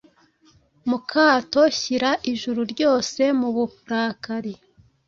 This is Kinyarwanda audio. mu kato, Shyira Ijuru ryose mu burakari.